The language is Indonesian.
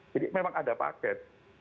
jadi memang ada paket